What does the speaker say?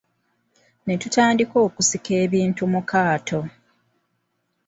Ne tutandika ate okusika ebintu mu kaato.